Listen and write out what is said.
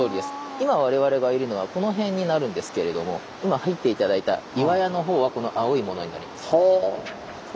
今我々がいるのはこの辺になるんですけれども今入って頂いた岩屋のほうはこの青いものになります。